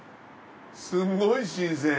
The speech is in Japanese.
すごい新鮮。